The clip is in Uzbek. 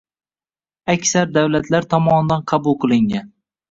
aksar davlatlar tomonidan qabul qilingan